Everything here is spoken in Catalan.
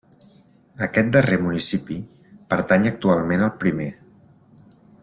Aquest darrer municipi pertany actualment al primer.